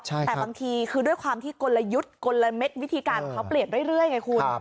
แต่บางทีคือด้วยความที่กลยุทธ์กลมวิธีการของเขาเปลี่ยนเรื่อยไงคุณ